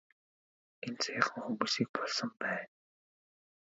Энд саяхан хүмүүсийг булсан байна.